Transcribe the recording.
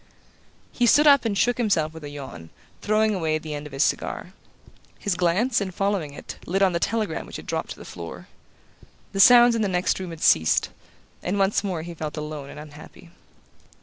He stood up and shook himself with a yawn, throwing away the end of his cigar. His glance, in following it, lit on the telegram which had dropped to the floor. The sounds in the next room had ceased, and once more he felt alone and unhappy.